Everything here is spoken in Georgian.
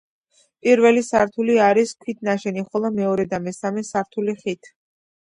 პირველი სართული არის ქვით ნაშენები, ხოლო მეორე და მესამე სართული ხით.